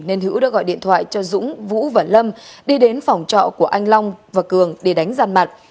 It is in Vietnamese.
nên hữu đã gọi điện thoại cho dũng vũ và lâm đi đến phòng trọ của anh long và cường để đánh giàn mặt